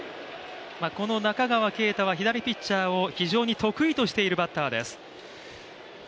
この中川圭太は左ピッチャーを非常に得意としているバッターです。